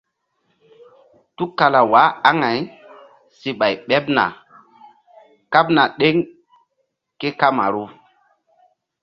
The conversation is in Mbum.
Tukala waah aŋay si ɓay ɓeɓ na kaɓna ɗeŋ ke kamaru.